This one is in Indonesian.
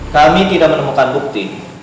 kami tidak menemukan bukti